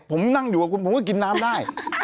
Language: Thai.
ผมนั่งอยู่กับคุณผมก็กินน้ำได้